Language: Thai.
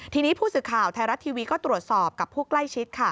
ทีนี้ผู้สื่อข่าวไทยรัฐทีวีก็ตรวจสอบกับผู้ใกล้ชิดค่ะ